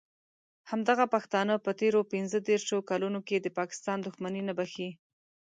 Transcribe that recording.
همدغه پښتانه په تېرو پینځه دیرشو کالونو کې د پاکستان دښمني نه بښي.